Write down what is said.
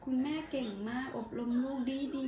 คุณแม่เก่งมากอบรมลูกดี